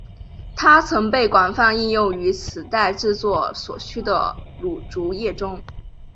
它曾被广泛应用于磁带制作所需的乳浊液中。